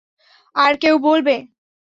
আর কেউ বলবে?